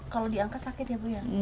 kalau diangkat sakit ya bu ya